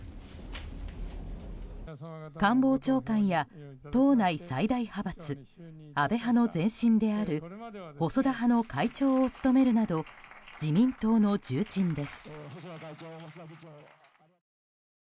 官房長官や党内最大派閥・安倍派の前身である細田派の会長を務めるなど自民党の重鎮です。